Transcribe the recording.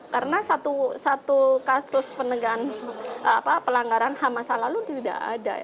karena satu kasus penegakan pelanggaran ham masa lalu tidak ada